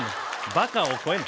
バカを超えんな！